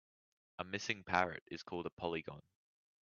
A missing parrot is called a polygon.